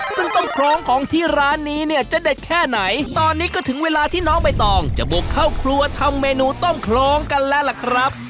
ซึ่งต้มโครงของที่ร้านนี้เนี่ยจะเด็ดแค่ไหนตอนนี้ก็ถึงเวลาที่น้องใบตองจะบุกเข้าครัวทำเมนูต้มโครงกันแล้วล่ะครับ